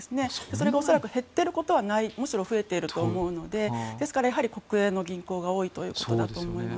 それが恐らく減っていることはないむしろ増えていると思うので国営の銀行が多いと思います。